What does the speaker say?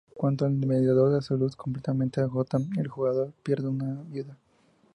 Cuando el medidor de salud completamente agota, el jugador pierde una vida.